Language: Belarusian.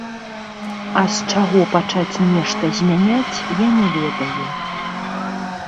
А з чаго пачаць нешта змяняць, я не ведаю.